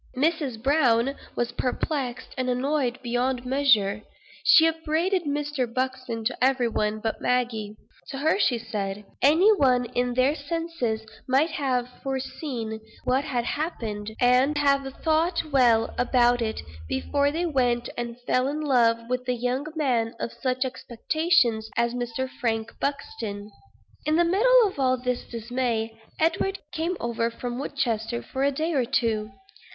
Mrs. Browne was perplexed and annoyed beyond measure. She upbraided Mr. Buxton to every one but Maggie. To her she said "Any one in their senses might have foreseen what had happened, and would have thought well about it, before they went and fell in love with a young man of such expectations as Mr. Frank Buxton." In the middle of all this dismay, Edward came over from Woodchester for a day or two.